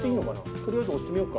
とりあえず押してみようか。